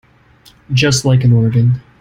Just like an organ.